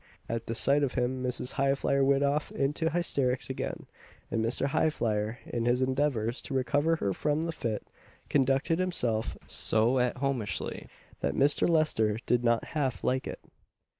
At the sight of him Mrs. Highflyer went off into hysterics again, and Mr. Highflyer, in his endeavours to recover her from the fit, conducted himself so at homeishly, that Mr. Lester did not half like it.